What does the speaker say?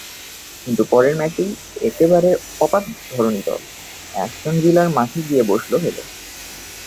কিন্তু পরের ম্যাচেই একেবারে পপাত ধরণিতল, অ্যাস্টন ভিলার মাঠে গিয়ে বসল হেরে।